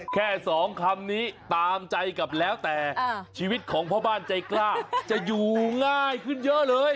แค่สองคำนี้ตามใจกับแล้วแต่ชีวิตของพ่อบ้านใจกล้าจะอยู่ง่ายขึ้นเยอะเลย